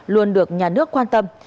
luôn được nhà nước quan tâm